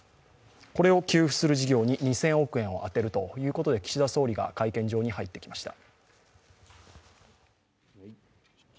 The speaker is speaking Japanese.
これを給付する事業に２０００億円を充てるということで、岸田総理が会見場に入ってきました。